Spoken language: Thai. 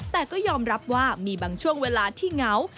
แต่ก็ยอมรับว่ามีบางช่วงเวลาที่เหงา